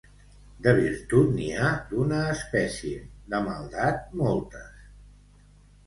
De virtut n'hi ha d'una espècie; de maldat, moltes.